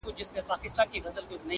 • انګولاوي به خپرې وې د لېوانو,